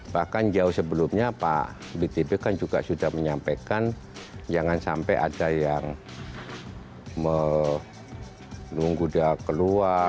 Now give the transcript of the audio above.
bahkan jauh sebelumnya pak btp kan juga sudah menyampaikan jangan sampai ada yang menunggu dia keluar